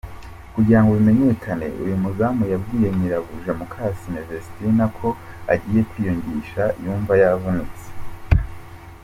Kugira ngo bimenyekane, uyu muzamu yabwiye nyirabuja Mukasine Vestine ko agiye kwiyungisha yumva yavunitse.